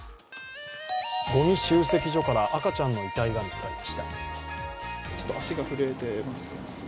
ごみ集積所から赤ちゃんの遺体が見つかりました。